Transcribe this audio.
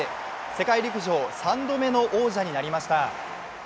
世界陸上３度目の王者となりました。